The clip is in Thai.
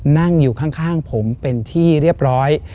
นั่งอยู่ข้างผมเป็นที่เรียบร้อย